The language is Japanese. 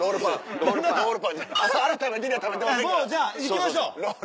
もうじゃあ行きましょう。